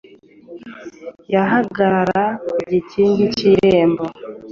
gahagarara ku gikingi cy’irembo